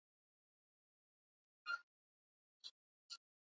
aliyekuwa akifanya kazi za umachinga akaamua kujimwagia petroli